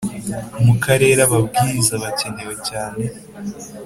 Mu karere ababwiriza bakenewe cyane